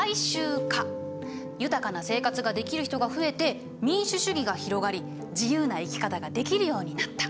豊かな生活ができる人が増えて民主主義が広がり自由な生き方ができるようになった。